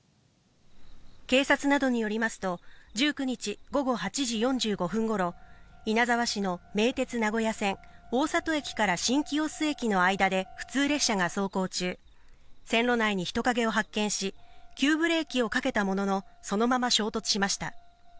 警察などによりますと、１９日午後８時４５分ごろ、稲沢市の名鉄名古屋線大里駅から新清洲駅の間で、普通列車が走行中、線路内に人影を発見し、急ブレーキをかけたものの、そのまま衝突しました。